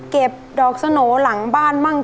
เก็บดอกสโหน่หลังบ้านมั่ง